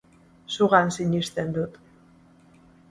Zugan sinisten dut.